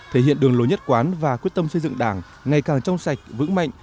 thể hiện đường lối nhất quán và quyết tâm xây dựng đảng ngày càng trong sạch vững mạnh